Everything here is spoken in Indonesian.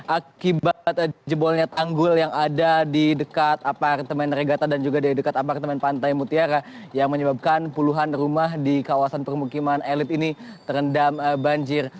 akibat jebolnya tanggul yang ada di dekat apartemen regata dan juga di dekat apartemen pantai mutiara yang menyebabkan puluhan rumah di kawasan permukiman elit ini terendam banjir